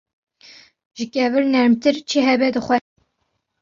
Ji kevir nermtir çi hebe dixwe.